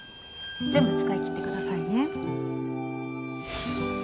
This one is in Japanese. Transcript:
全部使い切ってくださいね。